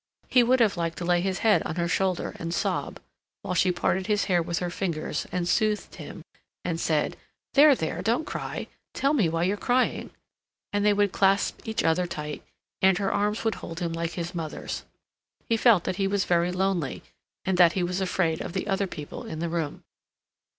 He would have liked to lay his head on her shoulder and sob, while she parted his hair with her fingers and soothed him and said: "There, there. Don't cry! Tell me why you're crying—"; and they would clasp each other tight, and her arms would hold him like his mother's. He felt that he was very lonely, and that he was afraid of the other people in the room.